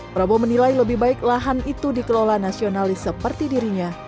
prabowo menilai lebih baik lahan itu dikelola nasionalis seperti dirinya